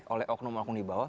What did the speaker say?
oleh oknum oknum di bawah